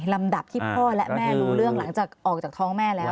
ลำดับที่พ่อและแม่รู้เรื่องหลังจากออกจากท้องแม่แล้ว